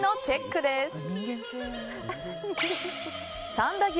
三田牛